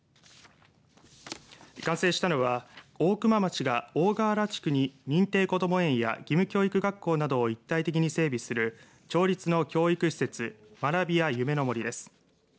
完成したのは大熊町が大川原地区に認定こども園や義務教育学校などを一体的に整備する町立の教育施設学び舎ゆめの森です。